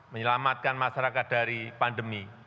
menyelamatkan masyarakat dari pandemi